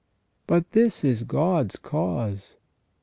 But this is God's cause.